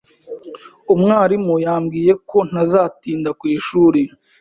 Umwarimu yambwiye ko ntazatinda ku ishuri.